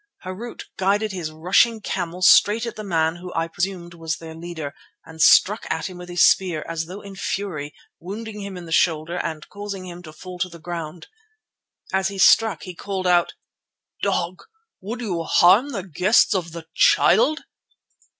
Harût guided his rushing camel straight at the man who I presume was their leader, and struck at him with his spear, as though in fury, wounding him in the shoulder and causing him to fall to the ground. As he struck he called out: "Dog! Would you harm the guests of the Child?"